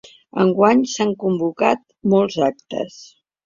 Enguany s’han convocat molts actes.